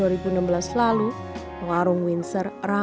warung windsor ramai ramai menunjukkan keuntungan dan keuntungan